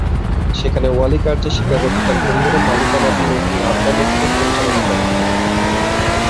সেখানে ওয়ালি কারজাই শিকাগোতে তার পরিবারের মালিকানাধীন একটি আফগান রেস্টুরেন্ট পরিচালনা করেন।